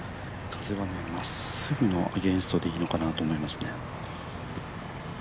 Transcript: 風はまっすぐのアゲンストでいいのかなと思いますね。